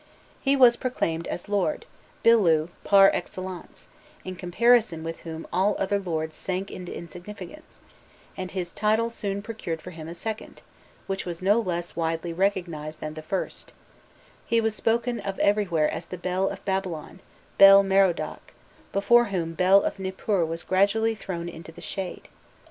He was proclaimed as lord "bilu" par excellence, in comparison with whom all other lords sank into insignificance, and this title soon procured for him a second, which was no less widely recognized than the first: he was spoken of everywhere as the Bel of Babylon, Bel Merodach before whom Bel of Nipur was gradually thrown into the shade.